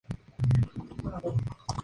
Estaba casado con Cristina Ferrari.